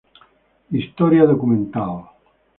Historia documental".